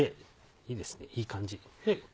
いいですねいい感じ。